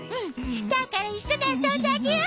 だからいっしょにあそんであげよう！